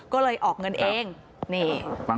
ก็เลยออกเงินเองนี่